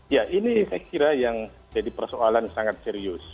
ya ini saya kira yang jadi persoalan sangat serius